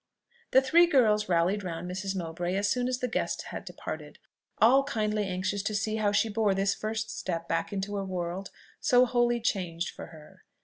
The three girls rallied round Mrs. Mowbray as soon as the guests had departed, all kindly anxious to see how she bore this first step back into a world so wholly changed for her.